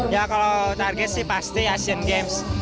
ya kalau target sih pasti asian games